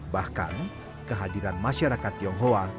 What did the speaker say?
bahkan kehadiran masyarakat tionghoa